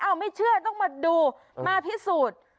เอาไม่เชื่อต้องมาดูมาพิสูจน์